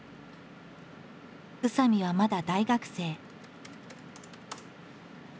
宇佐見はまだ大学生。